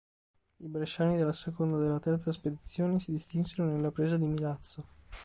I bresciani della seconda e della terza spedizione si distinsero nella presa di Milazzo.